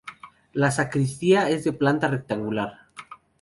La sacristía es de planta rectangular.